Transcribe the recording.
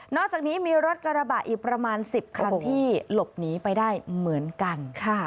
อกจากนี้มีรถกระบะอีกประมาณ๑๐คันที่หลบหนีไปได้เหมือนกัน